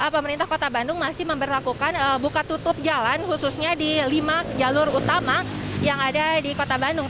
pemerintah kota bandung masih memperlakukan buka tutup jalan khususnya di lima jalur utama yang ada di kota bandung